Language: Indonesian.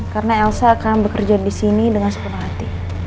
karena elsa akan bekerja disini dengan sepenuh hati